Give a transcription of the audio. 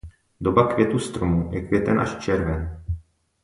Doba květu stromu je květen až červen.